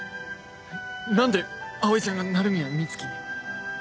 何で葵ちゃんが鳴宮美月に？